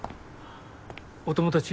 お友達？